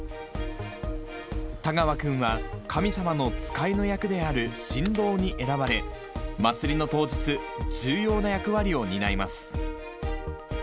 田川君は神様の使いの役である神童に選ばれ、祭りの当日、重要な役割を担います。